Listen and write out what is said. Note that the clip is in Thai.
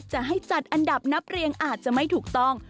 จะให้จัดอันดับนับเรียงอาจจะไม่ถูกต้อง